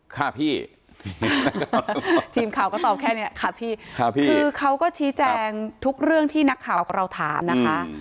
ค่ะพี่ทีมข่าวก็ตอบแค่นี้ค่ะพี่คือเขาก็ชี้แจงทุกเรื่องที่นักข่าวของเราถามนะคะ